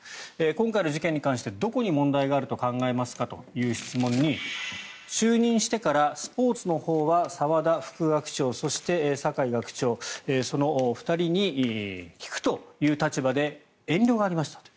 今回の事件に関してどこに問題があると考えますかという質問に就任してからスポーツのほうは澤田副学長そして、酒井学長その２人に聞くという立場で遠慮がありましたと。